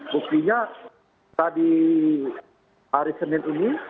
buktinya tadi hari senin ini